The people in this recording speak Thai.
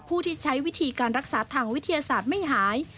ผู้ที่ใช้วิธีการรักษาทางวิทยาศาสตร์ไม่หาย